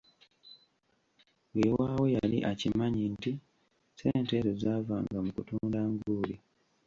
Weewaawo yali akimanyi nti ssente ezo zaavanga mu kutunda nguuli.